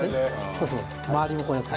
そうそう丸くこうやって。